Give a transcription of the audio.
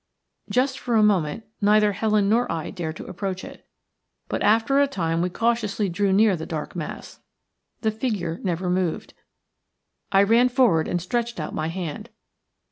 Just for a moment neither Helen nor I dared to approach it, but after a time we cautiously drew near the dark mass. The figure never moved. I ran forward and stretched out my hand.